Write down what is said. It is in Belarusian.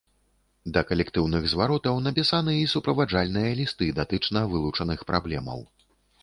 Да калектыўных зваротаў напісаны і суправаджальныя лісты датычна вылучаных праблемаў.